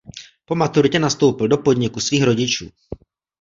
Po maturitě nastoupil do podniku svých rodičů.